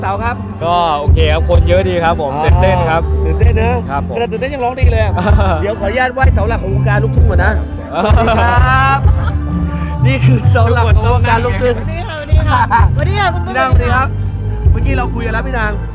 สิลปินก็เริ่มทยอยสร้างความสนุกให้กันแล้วแต่แน่นอนก็มีสิลปินอีกหลายคนที่รอขึ้นโชว์เราไปดูกันนะครับว่ามีใครกันบ้าง